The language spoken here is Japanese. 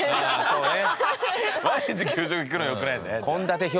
そうね。